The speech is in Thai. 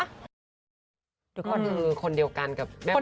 เดี๋ยวก่อนคือคนเดียวกันกับแม่โบง